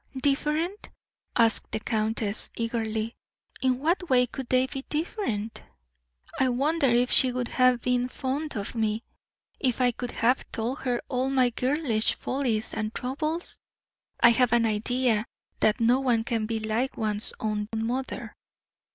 "Different?" asked the countess, eagerly. "In what way could they be different?" "I wonder if she would have been fond of me if I could have told her all my girlish follies and troubles? I have an idea that no one can be like one's own mother."